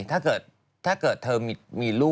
ถ้าเกิดถ้าเกิดเธอมี